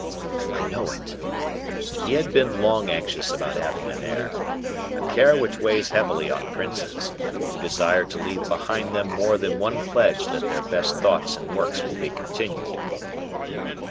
"I know it." "He had been long anxious about having a heir; a care which weighs heavily on princes, who desire to leave behind them more than one pledge that their best thoughts and works will be continued."